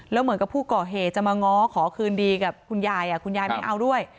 แล้วเหมือนกับผู้ก่อเหตุจะมาง้อขอคืนดีกับคุณยายคุณยายไม่เอาด้วย